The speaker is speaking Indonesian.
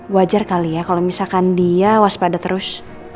bajar kali ya kalo misalkan dia waspada terus